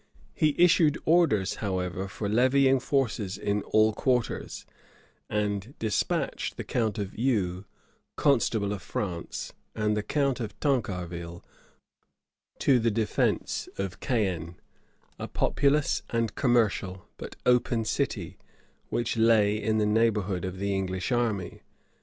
He issued orders, however, for levying forces in all quarters, and despatched the count of Eu, constable of France, and the count of Tancarville, with a body of troops, to the defence of Caen, a populous and commercial but open city, which lay in the neighborhood of the English army.